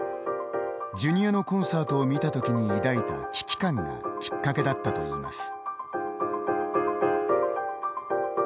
ジュニアのコンサートを見たときに抱いた危機感がきっかけだったといいます。